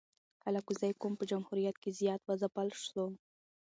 الکوزي قوم په جمهوریت کی زیات و ځپل سو